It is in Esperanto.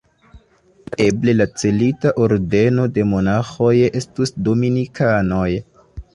Eble la celita ordeno de monaĥoj estus dominikanoj.